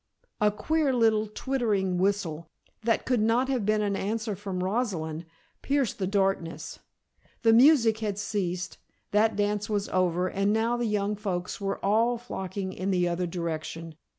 A queer little twittering whistle, that could not have been an answer from Rosalind, pierced the darkness. The music had ceased, that dance was over and now the young folks were all flocking in the other direction.